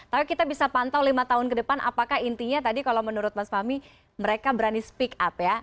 tapi kita bisa pantau lima tahun ke depan apakah intinya tadi kalau menurut mas fahmi mereka berani speak up ya